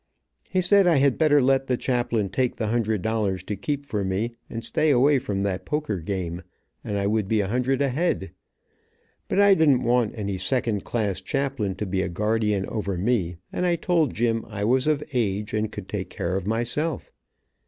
He said I had better let the chaplain take the hundred dollars to keep for me, and stay away from that poker game, and I would be a hundred ahead, but I didn't want any second class chaplain to be a guardian over me, and I told Jim I was of age, and could take care of myself.